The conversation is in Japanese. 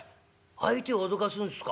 「相手を脅かすんすか。